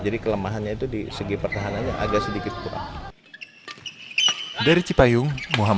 jadi kelemahannya itu di segi pertahanannya agak sedikit kurang